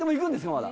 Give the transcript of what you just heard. まだ。